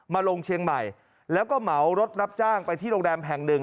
มาลงเชียงใหม่แล้วก็เหมารถรับจ้างไปที่โรงแรมแห่งหนึ่ง